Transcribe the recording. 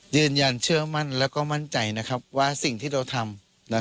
ยืนยันเชื่อมั่นและมั่นใจว่าสิ่งที่เราทำ